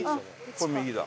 これ右だ。